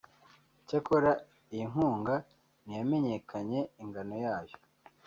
cyakora iyi nkunga ntiyamenyekanye ingano yayo